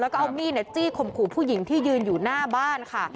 แล้วก็เอามีดจี้ข่มขู่ผู้หญิงที่ยืนอยู่หน้าบ้านค่ะ